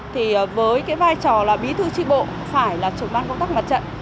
thì với cái vai trò là bí thư tri bộ phải là trưởng ban công tác mặt trận